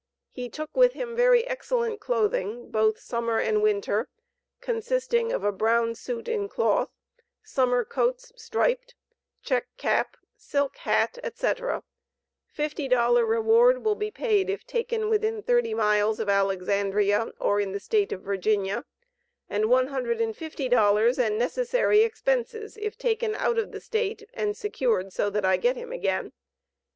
He took with him very excellent clothing, both summer and winter, consisting of a brown suit in cloth, summer coats striped, check cap, silk hat, &c. $50 reward will be paid if taken within thirty miles of Alexandria or in the State of Virginia, and $150 and necessary expenses if taken out of the State and secured so that I get him again.